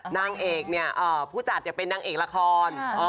นางเอกเนี่ยผู้จัดเป็นนางเอกละคร